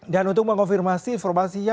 dan untuk mengkonfirmasi informasinya